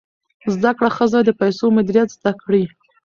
زده کړه ښځه د پیسو مدیریت زده کړی.